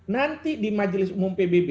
nanti di majelis umum pbb